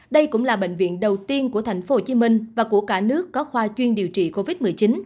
đây cũng là bệnh viện đầu tiên của thành phố hồ chí minh và của cả nước có khoa chuyên điều trị covid một mươi chín